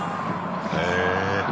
へえ。